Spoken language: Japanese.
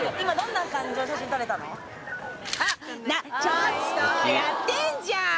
なっちょっとやってんじゃん！